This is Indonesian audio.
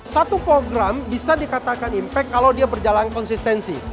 satu program bisa dikatakan impact kalau dia berjalan konsistensi